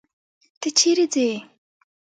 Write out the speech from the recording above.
ته چيري ځې؟